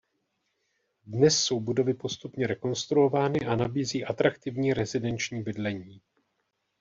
Dnes jsou budovy postupně rekonstruovány a nabízí atraktivní rezidenční bydlení.